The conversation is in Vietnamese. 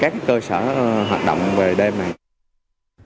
các cơ sở hoạt động kinh doanh trong lĩnh vực công nghiệp